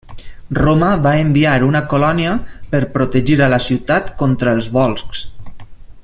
Roma va enviar una colònia per protegir a la ciutat contra els volscs.